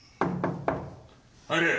入れ。